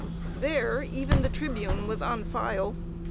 There, even The Tribune was on file.